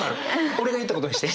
俺が言ったことにして。